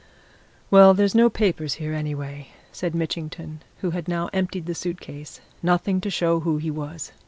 "Well, there's no papers here, anyway," said Mitchington, who had now emptied the suit case. "Nothing to show who he was.